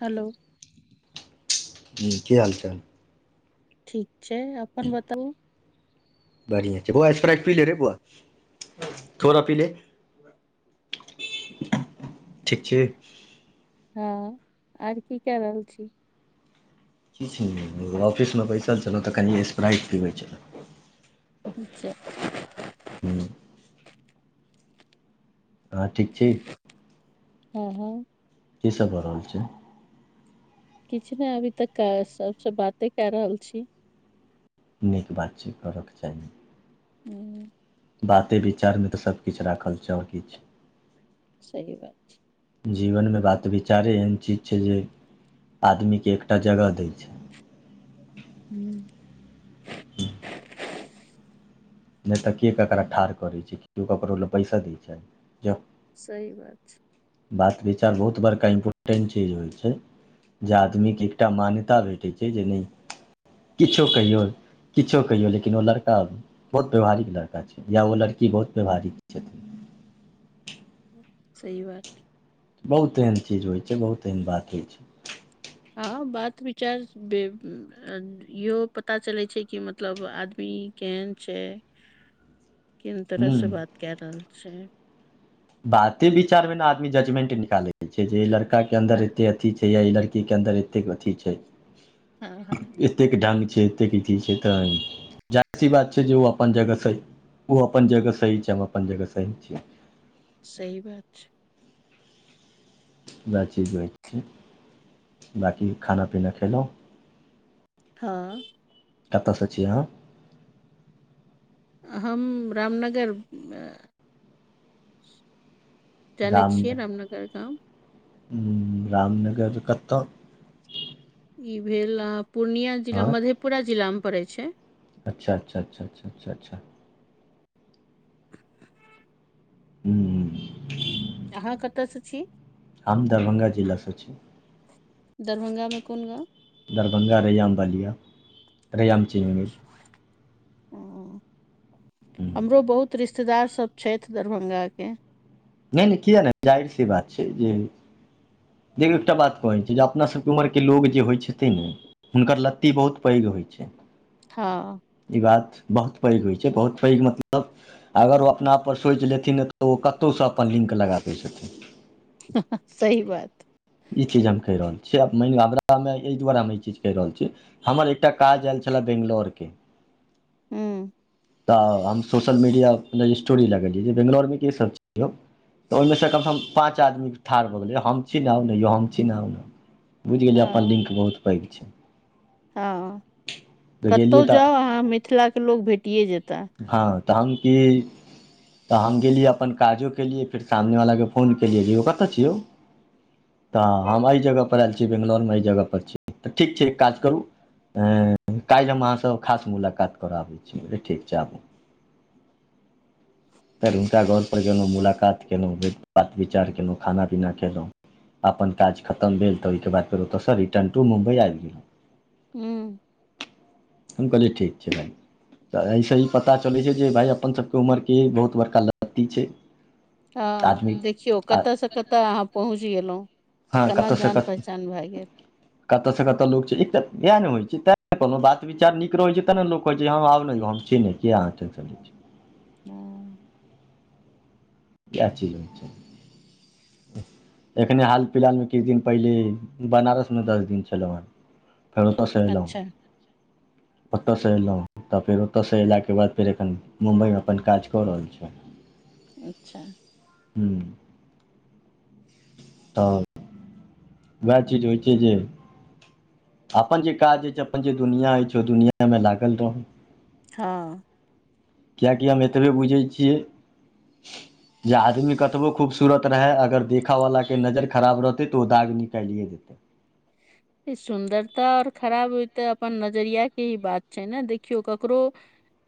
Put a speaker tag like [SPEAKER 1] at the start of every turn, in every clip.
[SPEAKER 1] Hello
[SPEAKER 2] ह की हालचाल?
[SPEAKER 1] ठीक छैय अपन बताउ?
[SPEAKER 2] बढ़िया छैय बौआ स्प्राट पी ले रे बौआ थोड़ा पी ले। ठीक छी?
[SPEAKER 1] हँ आर की क रहल छी?
[SPEAKER 2] किछ नहि एगो ऑफिसमे बैसल छलहुँ तऽ कनि स्प्राइट पीबै छलहुँ।
[SPEAKER 1] अच्छा
[SPEAKER 2] हूँ आहां ठीक छी?
[SPEAKER 1] [inaudible]
[SPEAKER 2] की सब भऽ रहल छै
[SPEAKER 1] किछ नाए अभी तक सबसँ बाते क रहल छि
[SPEAKER 2] नीक बात छै करऽके चाही
[SPEAKER 1] [inaudible]
[SPEAKER 2] बाते विचारमे तऽ सबकिछु राखल छै और की छै
[SPEAKER 1] सही बात छै
[SPEAKER 2] जीवनमे बात विचारे एहन चीज छै जे आदमीके एकटा जगह दै छै
[SPEAKER 1] [inaudible]
[SPEAKER 2] [inaudible] नाए तऽ के केकरा ठाढ़ करैत छै केओ केकरो लए बैसय दैत छ जो
[SPEAKER 1] सही बात छै
[SPEAKER 2] बात विचार बहुत बड़का इम्पोटेंट चीज होइ छै जे आदमीके
[SPEAKER 1] ह
[SPEAKER 2] एकटा मान्यता भेटैत छै जे नहि [unintelligible] किछो कहियौ किछो कहियौ लेकिन ओ लड़का बहुत व्यवहारिक लड़का छै या ओ लड़की बहुत व्यवहारिक छथिन
[SPEAKER 1] सही बात
[SPEAKER 2] बहुत एहन चीज होइ छै बहुत एहन बात होइ छै
[SPEAKER 1] हँ बात विचार बे इहो पता चलै छै कि मतलब आदमी केहन छै [unintelligible] किन तरह
[SPEAKER 2] ह
[SPEAKER 1] से बात काए रहल छै
[SPEAKER 2] बाते विचार में ने आदमी जजमेंटे निकाले के छै जे लड़का के अन्दर एते अथी छै या लड़की की अन्दर एतेक अथी छै
[SPEAKER 1] हँ हँ
[SPEAKER 2] एतेक ढंग छै एतेकथी छै तऽ जाहरी सी बात छै जे ओ अपन जगह से ओहो अपन जगह सही छैम अपन जगह सही छिए
[SPEAKER 1] सही बात छै
[SPEAKER 2] [unintelligible] बाकी खाना पीना खेलहु
[SPEAKER 1] हँ
[SPEAKER 2] कतऽसँ छि आहाँ
[SPEAKER 1] हम रामनगर [unintelligible] जानै
[SPEAKER 2] राम
[SPEAKER 1] छियै रामनगर गाम
[SPEAKER 2] रामनगर कत्तऽ
[SPEAKER 1] ई भेल आहं पूर्णिया जिला मधेपुरा जिला मे पड़ै छै
[SPEAKER 2] अच्छ अच्छ अच्छ अच्छ अच्छ
[SPEAKER 1] [inaudible]
[SPEAKER 2] [inaudible]
[SPEAKER 1] अहाँ कतयसँ छि
[SPEAKER 2] हम दरभंगा जिलासँ छि
[SPEAKER 1] दरभंगा मे कोन गाव
[SPEAKER 2] दरभंगा रैयाम बलिया रैयाम चिनी
[SPEAKER 1] [unintelligible]
[SPEAKER 2] हूँ
[SPEAKER 1] हमरो बहुत रिश्तेदारसभ छै थ दरभंगाके
[SPEAKER 2] नाए नाए किया नाए जाहिर सी बात छै जे देखू एकटा बात कहैत छै जे अपना सबके उमर के लोग जे होइत छथिन ने हुनकर लत्ती बहुत पैघ होइ छै
[SPEAKER 1] हँ
[SPEAKER 2] ई बात बहुत पैघ होइ छै बहुत पैघ मतलब अगर ओ अपना आप सोचि लेथिन तऽ ओ कतहुसँ अपन लिन्क लगा दै छथिन
[SPEAKER 1] सी बात
[SPEAKER 2] ई चीज हम कहि रहल छीयै मान हमरा मे एहि दुआारे हम ई चीज कहि रहल छीयै हमर एकटा काज आयल छल बेंगलोर के
[SPEAKER 1] हूँ
[SPEAKER 2] तऽ हम सोशल मीडिया स्टोरी लगलियै जे बेैंगलौरमे कीसभ छै तऽ ओहिमेसँ कमसम पाँच आदमीके ठाढ़ भऽ गेलै हम छीनाहउ ने यौ हम छीह आउ ने बुझ गेलै जे अपन
[SPEAKER 1] हँ
[SPEAKER 2] लिंक बहुत पैघ छै
[SPEAKER 1] हँ
[SPEAKER 2] तऽ गेलियै
[SPEAKER 1] कतहु
[SPEAKER 2] तऽ
[SPEAKER 1] जाउ अहाँ मिथिलाके लोक भेटिए जेताह
[SPEAKER 2] हँ तऽ हम कि तऽ हम गेलियै अपन काजो केलियै फेर सामनेवलाके फोन केलियै जे यौ कतऽ छिय यौ तऽ हम एहि जगह पर आयल छी बेंगलौरमे एहि जगह पर छी तऽ ठीक छै काज करू काल्हि हम अहाँसँ खास मुलाकात कराबैत छी ठीक छै आबू फेर हुनका घर पर गेलहुँ मुलाकात कयलहुँ बात विचार केलहुँ खाना पीना कयलहुँ अपन काज खतम भेल तऽ ओहिके बाद फेर ओतयसँ रिटर् टू मुम्बइ आब गेलहुँ
[SPEAKER 1] हूँ
[SPEAKER 2] हम कहलिय ठीक छै भ तऽ एहिइसे ही पता चलै छै जे भाय अपन सभके उमरके बहुत बड़का लड़ती छै आदमी
[SPEAKER 1] हँ देखियौ
[SPEAKER 2] आ
[SPEAKER 1] कतयसँ कतय अहाँ पहुँच गेलहुँ
[SPEAKER 2] हँ
[SPEAKER 1] केना जान पहचान भए गेल
[SPEAKER 2] कतय से कतय लोग छै एक तऽ इएह ने होइ छै तैं कोनो बात विचार नीक रहैत छै तब ने लोक कहैत छै हम आब ने यौ हम छी नहि कि अहाँ टेन्शन लै छी।
[SPEAKER 1] हँ
[SPEAKER 2] [unintelligible] एखने हाल फिलहालमे किछु दिन पहिले बनारसमे दस दिन छलहुँ फरता सेरि लँ [unintelligible]
[SPEAKER 1] अच्छा
[SPEAKER 2] ओतसँ अलहुँ तऽ फेर ओतसँ अयलाके बाद फेर एखन मुम्बइमे अपन काज कऽ रहल छी
[SPEAKER 1] अच्छा
[SPEAKER 2] हू तऽ उहा चीज होइ छै जे अपन जे काज अछि अपन जे दुनिआँ अछि ओ दुनिआँमे लागल रहू
[SPEAKER 1] हँ
[SPEAKER 2] कियाकि हम एतबे बुझै छियै
[SPEAKER 1] [inaudible]
[SPEAKER 2] जे आदमी कतबो खूबसूरत रहय अगर देखयवलाके नजर खराब रहतै तऽ ओ दाग निकालिए देतै।
[SPEAKER 1] ई सुन्दरता अओर खराब ते अपन नजरिया के ही बात छै ने देखियो ककरो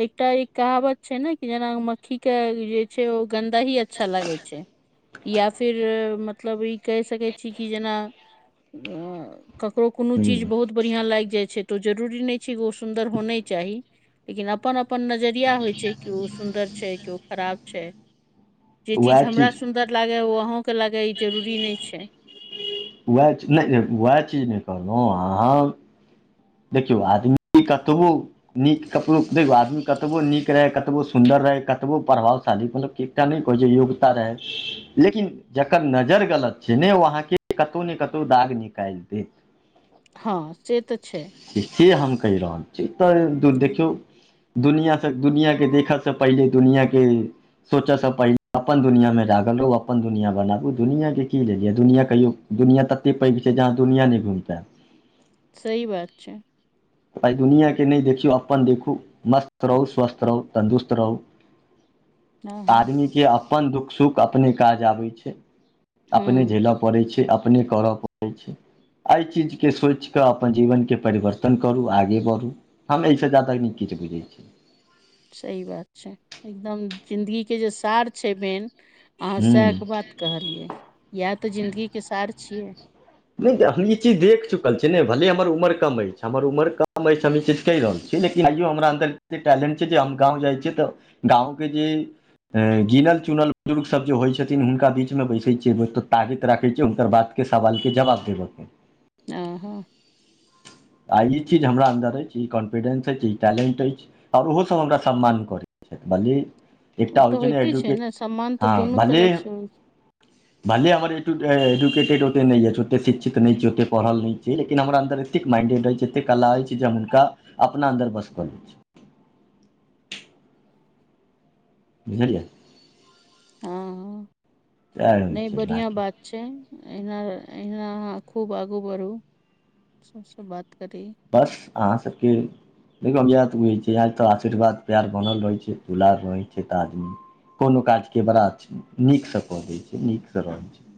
[SPEAKER 1] एकटा एक कहावत छै ने कि जेना मक्खी के जे छै ओ गन्दा ही अच्छा लागै छै। या फिर मतलब ई कहि सकै छी कि जेना ' ककरो कोनो चीज
[SPEAKER 2] ह्म
[SPEAKER 1] बहुत बढ़िया लाग जाइ छै त जरूरी नहि छै ओ सुन्दर होना चाही लेकिन अपन अपन नज क्या होइ छै के ओ सुन्दर छै के ओ खराब छै जे चीज हमरा सुन्दर ला गे ओ अहाँ के लागे ई जरूरी नहि छै
[SPEAKER 2] उएह छले उएह चीज नहि कहलहु अहाँ देखियौ आदमी कतबो नीक ककरो देखौ आदमी कतबो नीक रहै कतबो सुन्दर रहै कतबो प्रभावशाली मतल एकटा नहि कहै छै योग्यता रहै लेकिन जकर नजर गलत छै ने ओ अहाँके कतौ ने कतौ दाग निकाल देैत
[SPEAKER 1] हँ से तऽ छै
[SPEAKER 2] से हम कहि रहल छी एतअ दू
[SPEAKER 1] हँ,
[SPEAKER 2] देखियौ दुनिआँसँ दुनिआँके देखयसँ पहिले दुनिआके सोचऽसँ पहिले अपन दुनियामे लागल रहू अपन दुनिया बनाबू दुनियाके की लेलियेऽ दुनिया कहियो दुनिआँ तते पैघ छै जे अहाँ दुनिआँ नहि घूम पाइब
[SPEAKER 1] सही बात छै
[SPEAKER 2] आइ दुनियाके नहि देखियौ अपन देखू मस्त रहू स्वस्थ रहू तन्दुरुस्त रहू
[SPEAKER 1] हँ हँ
[SPEAKER 2] आदमीे अपन दुःख सुख अपने काज आबै छै अपने
[SPEAKER 1] हूँ
[SPEAKER 2] झेलब पड़ै छै अपने करऽ पड़ैत छै एहि चीजके सोचि कऽ अपन जीवनके परिवर्तन करू आगे बढ़ू हम एहिसँ जादा नीक किछु बुझै छी
[SPEAKER 1] सही बात छै एकदम जिदगी के जे सार छै बेन अहाँ
[SPEAKER 2] हूँ
[SPEAKER 1] सेहके बात कहलियै इएह तऽ जिन्दगी के सार छियै
[SPEAKER 2] नहि हम ई चीज देख चुकल छियै नऽ भले हमर उम्र कम अछि हमर उम्र कम अछि हम ई चीज कहि रहल छियै लेकिन आइयो हमरा अन्दर एते टैलेंट छै जे हम गाँव जाइ छियै तऽ गाँवके जे गीनल चुनल बुजुर्ग सब जे होइ छथिन हुनका बीचमे बैसैत छियै त ताकत राखै छियै हुनकर बात के सवाल के जवाब देबे केँ
[SPEAKER 1] आ हँ [inaudible]
[SPEAKER 2] आ ई चीज हमरा अन्दर अछि ई कॉन्फिडेंस अछि ई टैलेंट अछि आओर ओहोसभ हमरा सम्मान करैत छथि भल्ली एकटा
[SPEAKER 1] ओ तऽ
[SPEAKER 2] होइ छै
[SPEAKER 1] होइते
[SPEAKER 2] एजुकेट
[SPEAKER 1] ने सम्मान तऽ
[SPEAKER 2] हँ
[SPEAKER 1] दुनू
[SPEAKER 2] भले
[SPEAKER 1] तरफ से होइ
[SPEAKER 2] भले एटुट एजुकेटेट ओते नै यऽ ओतेक शिक्षित नहि छै ओतेक पढ़ल नहि छै लेकिन हमरा अन्दर एतेक माइणडेड अछि एतेक कला अछि जे हम हुनका अपना अन्दर बस कऽ लैत छै बुझलिये
[SPEAKER 1] हँ
[SPEAKER 2] सएह होइ
[SPEAKER 1] नहि
[SPEAKER 2] छै
[SPEAKER 1] बढ़िआ
[SPEAKER 2] बाँकी
[SPEAKER 1] बात छै अहीना अहीना अहाँ खूब आगू बढ़ू सबसँ बात करी
[SPEAKER 2] बस अहाँ सभकेँ देखियौ इहे टा बुझै छिये या तऽ आशीर्वाद प्यार बनल रहै छै दुलार रहै छै तऽ आदमी कोनो काजके बड़ा नीकसँ कऽ दै छै नीकसँ रहै छै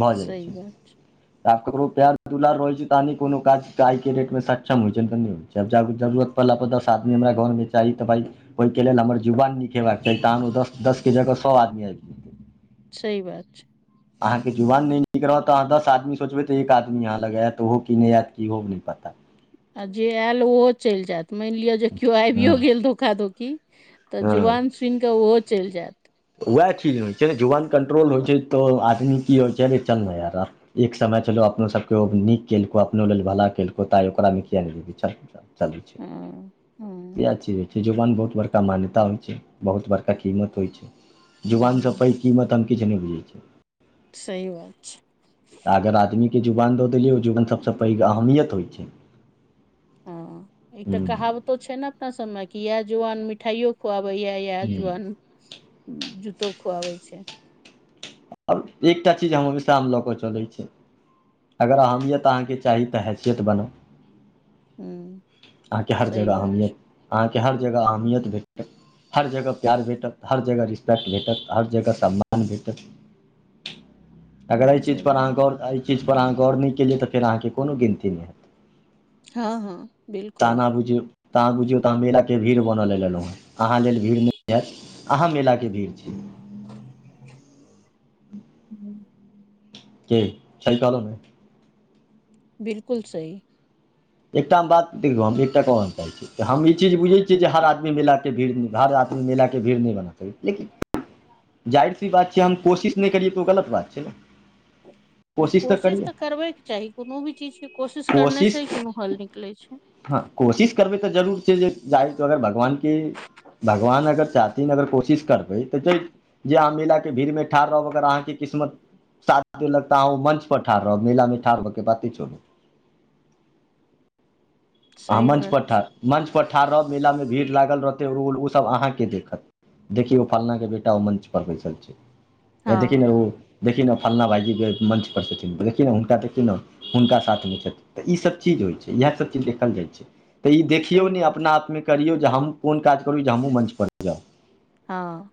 [SPEAKER 2] भऽ जाइ
[SPEAKER 1] सही
[SPEAKER 2] छै
[SPEAKER 1] बात
[SPEAKER 2] आब ककरो प्यार दुलार रहै छै तहने कोनो काज आइ के डेट मे सक्षम क्षम होइ छै नइ तऽ नहि होइ छै जब जब जरूरत पड़ला पर दस आदमी हमरा घरमे चाही तऽ भाय ओहिके लेल हमर जुवान नीक हेबाक चाही तहन ओ दस दस के जगह सौ आदमी आबि जैतै
[SPEAKER 1] सही बात छै
[SPEAKER 2] अहाँके जुवान नहि नीक रहत अहाँ दस आदमी सोचबै तऽ एक आदमी अहाँ लग आयत ओहो कि नइ आयत कि अहो मे नहि पता
[SPEAKER 1] आ जे आयल ओहो चलि जायत मानि लिअ जे केओ आबियो
[SPEAKER 2] हँ
[SPEAKER 1] गेल धोखाधोखी तऽ
[SPEAKER 2] हँ
[SPEAKER 1] जुआान सुनिकऽ ओहो चलि जायत
[SPEAKER 2] उएह चिज होइ छै ने जुवान कंट्रोल होइ छै तऽ आदमी की होइ छैे चलना यार एक समय छलो अपनो सभके ओ नीक केलको अपनो लेल भला केलको ता आय ओकरामे किया नहि जेबही चल चले छै
[SPEAKER 1] हँ
[SPEAKER 2] इहै चिज होइ छै जुवान बहुत बड़का मान्यता होइ छै बहुत बड़का कीमत होइ छै जुवानस
[SPEAKER 1] हँ
[SPEAKER 2] पैघ कीमत हम किछु नहि बुझै छिइय
[SPEAKER 1] सही बात छै
[SPEAKER 2] तऽ अगर आदमीके जुवान दऽ देलियै ओ जुवान सभसँ पैघ अहमियत होइ छै
[SPEAKER 1] ह एकटा
[SPEAKER 2] हूँ
[SPEAKER 1] कहावतो छै ने अपना सब मे इहाय जुवान मिठाईयो खुआबे य इहाय
[SPEAKER 2] हूँ
[SPEAKER 1] जुबान जूतो खुआबै छै
[SPEAKER 2] आब एकटा चीज हमेशा आ लऽ कऽ चलैत छी अगर अहमियत अहाँके चाही तऽ हैसियत बनउ
[SPEAKER 1] हूँ
[SPEAKER 2] अहाँके हर
[SPEAKER 1] सही
[SPEAKER 2] जगह
[SPEAKER 1] बात छै
[SPEAKER 2] अहमियत अहाँके हर जगह अहमियत भेटत हर जगह प्यार भेटत हर जगह रिस्पेक्ट भेटत हर जगह सम्मान भेटत अगर एहि
[SPEAKER 1] सही
[SPEAKER 2] चीजपर अहाँ
[SPEAKER 1] बात
[SPEAKER 2] गौर एहि चीजपर अहाँ गौर नहि केलियै तऽ फेर अहाँकेँ कोनो गिनती नहि हैत
[SPEAKER 1] हँ हँ बिल्कुल
[SPEAKER 2] तह अाँ बुझियौ तऽ आहाँ मेलाके भीड़ बनय ल लेलहुँ हेँ अहाँ लेल भीड़ नहि हयत अहाँ मेलाके भीड़ छी
[SPEAKER 1] हू
[SPEAKER 2] की सही कहलू न
[SPEAKER 1] बिल्कूल सही
[SPEAKER 2] एकटा बात देखयो हम एकटा गप कहल चा रहल छी तऽ हम ई चीज बुझैत छियै जे हर आदमी मेलाके भीड़ हर आदमी मेलाके भीड़ नहि बना सके छी लेकिन
[SPEAKER 1] [inaudible]
[SPEAKER 2] जााहिर सी बात छै हम कोशिश नहि करियै तऽ ओ गलत बात छै ने
[SPEAKER 1] कोशिश तऽ करबेके चाही कोनो भी चीज के कोशिश करने से कोनो हल निकले छै
[SPEAKER 2] हँ कोशिश करबै तऽ जरूर छै जे जाय तरहे भगवानके भगवान अगर चाहथीन अगर कोशिश करबे तऽ च जे अहाँ मेला के भीड़ मे ठाढ़ रहब अगर अहाँके किस्मत साथ देलक त आहाँ ओय मंच पर ठार रहब मेल मे ठार हो के बात छोरू अहाँ
[SPEAKER 1] सही
[SPEAKER 2] मञ्चप
[SPEAKER 1] बात
[SPEAKER 2] पर ठाढ़ मं्चपर ठाढ़ रहब मेलामे भीड़ लागल रहतै ओसभ अहाँकेँ देखत देखि ओ फलन के बेटा ओ मञ्च पर बैसल छै य देखि
[SPEAKER 1] हँ
[SPEAKER 2] ने ओ देखौ फल्लाँ भाइजीके मंच पर छथिन त देखियौ ने हुनका देखी ने हुनका साथ मे छथि तऽ ईसभ चीज होइ छै इएह सभ चीज देख देखल जाइ छै तऽ ई देखियौ
[SPEAKER 1] सही
[SPEAKER 2] ने
[SPEAKER 1] बात
[SPEAKER 2] अपना आपमे करियौ जे हम कोन काज करू जे हमहुूँ मं्च पर जाउ
[SPEAKER 1] हँ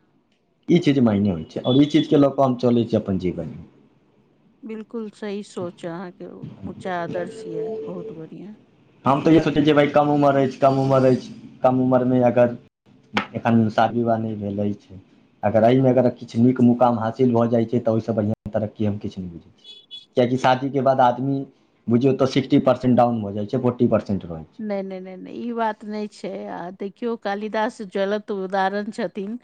[SPEAKER 2] ई चीज मायने होइ छै और ई चीज के लऽ कऽ हम चले छी अपन जीवन में
[SPEAKER 1] बिल्कुल सही सोच य अहाँके ऊँचा आदर्श यए बहुत बढ़िया
[SPEAKER 2] हम तऽ इह सोचै छियै भइ कम उम्र अछि कम उम्र अछि कम उम्रमे अगर एखन शादी विवाह नहि भेलै अछि अगर एहिमे अगर किछु नीक मुकाम हासिल भऽ जाइत छै तऽ ओहिसँ बढ़िआँ तरक्ी हम किछु नहि बुझैत छी कियाकि शादी के बाद आदमी बुझियौ तऽ सिक्सटी पर्सेंट डाउन भ जाइ छै फोर्टी पर्सेंट रहै छै
[SPEAKER 1] नहि नहि नहि नहि ई बात नहि छै आ देखियो कालिदास जलत उदाहरण छथिन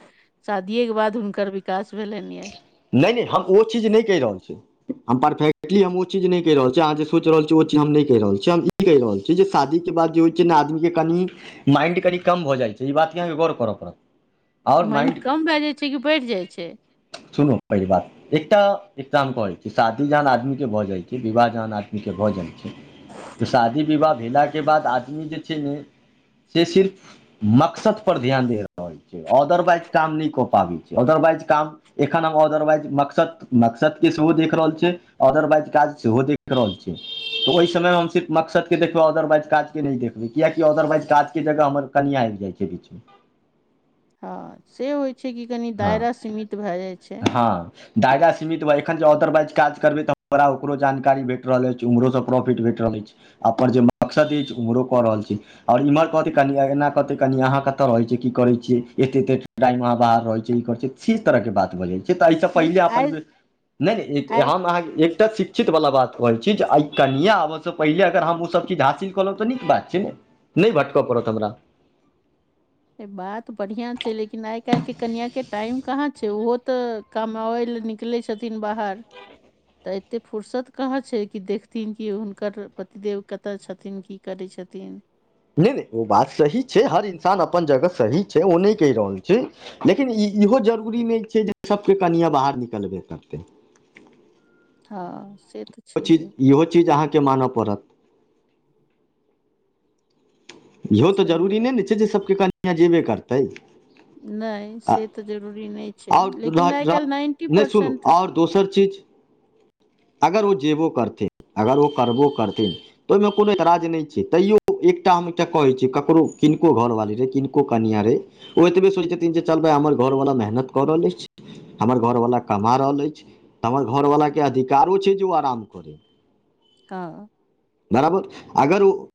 [SPEAKER 1] शादियेके बाद हुनकर विकास भेलनि यऽ
[SPEAKER 2] नहि नहि हम ओ चीज नहि कहि रहल छी हम परफेक्टली हम ओ चीज नहि कहि रहल छी अहाँ जे सोच रहल छियै ओ चीज हम नहि कहि रहल छियै हम ओही कहि रहल छी जे शादी के बाद जे होइ छै न आदमी के कनि माइंड कनि कम भऽ जाइ छै ई बातके अहाँके गौर करय पड़त
[SPEAKER 1] माइंड कम भए जाइ छै कि बढ़ि जाइ छै
[SPEAKER 2] सुनू पहिल बात एकटा इक्जाम पल शादी जहन आदमीके भऽ जाय छै विवाह जहन आदमीके भऽ जाय छै तऽ शादी विवाह भेलाके बाद आदमी जे छै ने से सिर्फ मक़सद पर ध्यान दे रहल छै ऑदरवाइज काम नहि क पाबै छै ऑदरवाइज काम एखन हम ऑदरवाइज मक़सद मक़सद के सेहो देख रहल छियै ऑदरवाइज काज सेहो देख देख रहल छी तऽ ओहि समयमे हम सिर्फ मक़सद के देखबै ऑदरवाइज काज के नहि देखबै कियाकि ऑदरवाइज काजके जगह हमर कनिया आबि जाय छै बीचमे
[SPEAKER 1] हँ से होय छै कि कनि
[SPEAKER 2] हँ
[SPEAKER 1] दायरा सीमित भए जाय छै
[SPEAKER 2] हँ दायरा सीमित बा एखन जे ऑदरवाइज काज करबै तऽ हमरा ओकरो जानकारी भेट रहल अछि उम्हरोसँ प्रॉफिट भेट रहल अछि अपन जे मकसद अछि उम्हरो क रहल छी आओर इम्हर कहतै कनि अंगना कहतै कनि अहां कत्त रहै छियै की करै छियै एते एते टाइम अहाँ बाहर रहै छी चिल कहै छै छी तरहके बात भऽ जै छै तऽ एहिसँ
[SPEAKER 1] नहि
[SPEAKER 2] पहिले
[SPEAKER 1] तऽ
[SPEAKER 2] अपन
[SPEAKER 1] आइ
[SPEAKER 2] बे नहि नहि ए
[SPEAKER 1] आइ
[SPEAKER 2] हम अहाँके एक चीज तऽ शिक्षित वाला बात भऽ जाय छै जे आय कनिया आबसँ पहिले अगर हम ओसभ चीज हासिल कलहुँ तऽ नीक बात छै नहि भटक पड़त हमरा
[SPEAKER 1] बात बढ़ियां छै लेकिन आय काल्हि के कनिया के टाइम कहाँ छै ओहो तऽ कमाबै लए निकलै छथिन बाहर तऽ एते फुर्सत कहा छै कि देखथिन की हुनकर पतिदेव कतय छथिन कि करै छथिन
[SPEAKER 2] नहि नहि ओ बात सही छै हर इन्सान अपन जगह सही छै ओ नहि कहि रहल छी लेकिन ई इहो जरूरी नहि छै जे सभके कनियां बाहर निकलबे करतै
[SPEAKER 1] हँ से तऽ
[SPEAKER 2] इहो चीज
[SPEAKER 1] छैहे
[SPEAKER 2] इहो चीज अहाँके मानऽ पड़त इहो तऽ
[SPEAKER 1] सही बात
[SPEAKER 2] जरूरी नहि ने छै जे सभके कनिया जेबे करतै
[SPEAKER 1] नहि से तऽ जरूरी नहि छै
[SPEAKER 2] आओर
[SPEAKER 1] लेकिन आइ काल्हि नाइन्टी
[SPEAKER 2] [inaudible] नहि सुनू
[SPEAKER 1] परसेंट
[SPEAKER 2] आओर दोसर चीज अगर ओ जेबो करथिन अगर ओ करबो करथिन तऽ ओहिमे कोनो ऐतराज नहि छै तैयो एकटा हम एकटा कहैत छियै ककरो किनको घरवाली रहै किनको कनियां रहै ओ एतबे सोचै छथिन जे चल भाय हमर घरवला मेहनत कऽ रहल अछि हमर घरवला कमा रहल अछि तऽ हमर घरवलाके अधिकारो छै जे ओ आराम करै
[SPEAKER 1] हं
[SPEAKER 2] घर आबौथ अगर ओ